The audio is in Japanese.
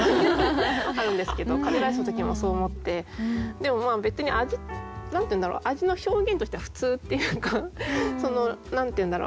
あるんですけどカレーライスの時もそう思ってでもまあ別に味味の表現としては普通っていうか何て言うんだろう